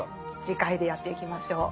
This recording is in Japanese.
次回でやっていきましょう。